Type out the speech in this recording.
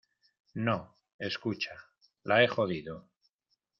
no, escucha. la he jodido .